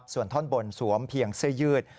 ส่วนท่อนบนสวมเพียงเสื้อยืด